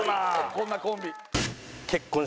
こんなコンビ。